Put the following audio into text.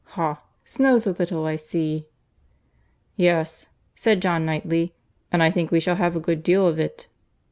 —Ha! snows a little I see." "Yes," said John Knightley, "and I think we shall have a good deal of it."